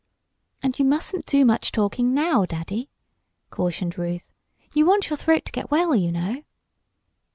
"And you mustn't do much talking now, Daddy," cautioned Ruth. "You want your throat to get well, you know."